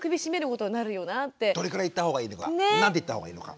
どれぐらい言った方がいいのか何て言った方がいいのか。